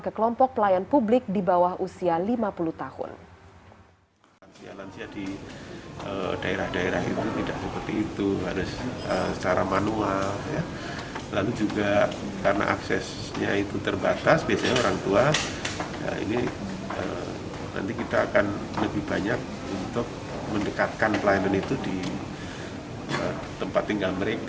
ke kelompok pelayan publik di bawah usia lima puluh tahun